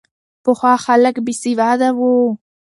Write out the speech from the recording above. پخوا خلک بې سواده وو.